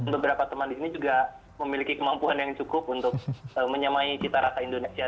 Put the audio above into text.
beberapa teman di sini juga memiliki kemampuan yang cukup untuk menyamai cita rasa indonesia